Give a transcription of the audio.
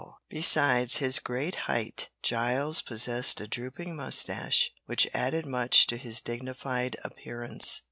Besides his great height, Giles possessed a drooping moustache, which added much to his dignified appearance.